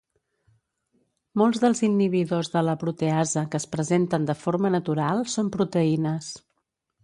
Molts dels inhibidors de la proteasa que es presenten de forma natural són proteïnes.